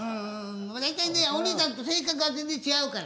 大体ねお兄さんと性格が全然違うからね。